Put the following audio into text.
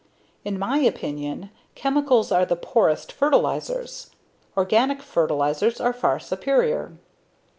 In my opinion, chemicals are the poorest fertilizers; organic fertilizers are far superior.